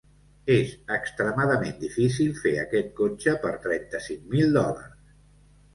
És extremadament difícil fer aquest cotxe per trenta-cinc mil dòlars.